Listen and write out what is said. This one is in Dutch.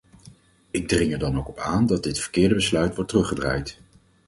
Ik dring er dan ook op aan dat dit verkeerde besluit wordt teruggedraaid.